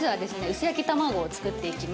薄焼き卵を作っていきます。